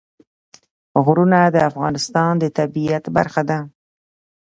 غرونه د افغانستان د طبیعت برخه ده.